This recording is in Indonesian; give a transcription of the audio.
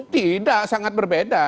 tidak sangat berbeda